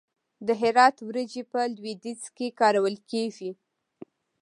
د هرات وریجې په لویدیځ کې کارول کیږي.